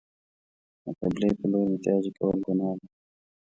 د قبلې په لور میتیاز کول گناه ده.